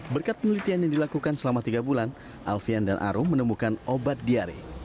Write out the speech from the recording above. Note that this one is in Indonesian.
berkat penelitian yang dilakukan selama tiga bulan alfian dan arum menemukan obat diare